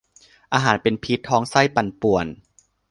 อาหารเป็นพิษ ท้องไส้ปั่นป่วน